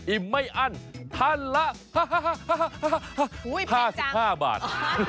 อิ่มไม่อั้นทันละ๕๕บาท